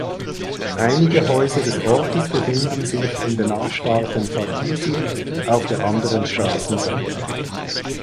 Einige Häuser des Ortes befinden sich im benachbarten Fatisi auf der anderen Straßenseite.